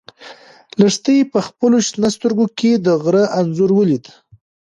لښتې په خپلو شنه سترګو کې د غره انځور ولید.